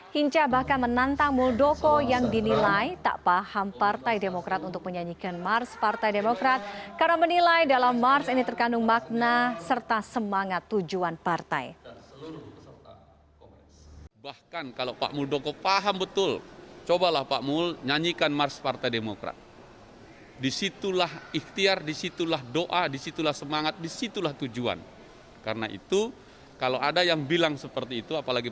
hinca bahkan menantang muldoko yang dinilai tak paham partai demokrat untuk menyanyikan mars partai demokrat karena menilai dalam mars ini terkandung makna serta semangat tujuan partai